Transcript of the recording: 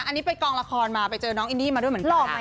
อันนี้ไปกองละครมาไปเจอน้องอินนี่มาด้วยเหมือนกัน